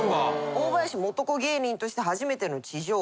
「大林素子芸人」として初めての地上波。